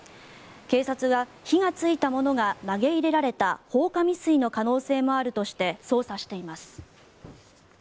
警察は火がついたものが投げ入れられた放火未遂の可能性もあるとして捜査しています。